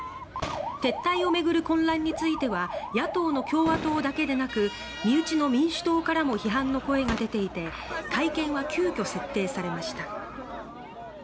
撤退を巡る混乱については野党の共和党だけでなく身内の民主党からも批判の声が出ていて会見は急きょ設定されました。